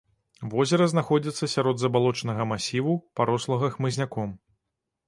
Возера знаходзіцца сярод забалочанага масіву, парослага хмызняком.